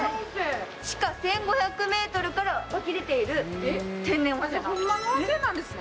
地下１５００ｍから湧き出ている天然温泉なんです。